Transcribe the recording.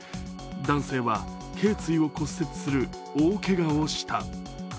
男性はけい椎を骨折する大けがをした。